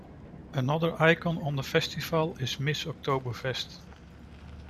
Another icon of the festival is Miss Oktoberfest.